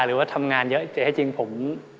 หรือว่าทำงานเยอะแต่ให้จริงผม